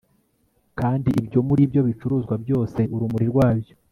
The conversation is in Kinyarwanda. kandi ibyo muri ibyo bicuruzwa byose, urumuri rwabyo